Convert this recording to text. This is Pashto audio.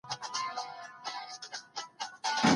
ښایي ډېر ږدن او پاڼي له کړکۍ څخه راسي.